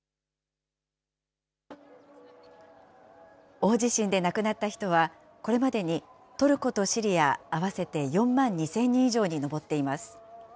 大地震で亡くなった人は、これまでにトルコとシリア合わせて４万２０００人以上に上っています。